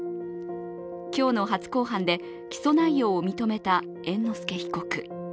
今日の初公判で起訴内容を認めた猿之助被告。